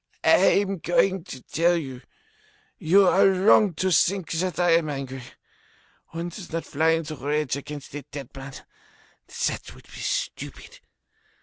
I am going to tell you. You are wrong to think that I am angry. One does not fly into a rage against a dead man. That would be stupid.